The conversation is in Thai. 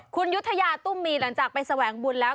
คุณยุธยาตุ้มมีหลังจากไปแสวงบุญแล้ว